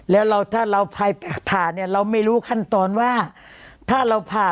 แล้วเราถ้าเราผ่าเนี่ยเราไม่รู้ขั้นตอนว่าถ้าเราผ่า